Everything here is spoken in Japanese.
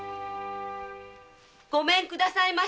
ごめんくださいまし。